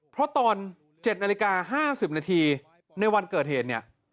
เพราะตอน๗นาฬิกา๕๐นาทีในวันเกิดเหตุเนี่ย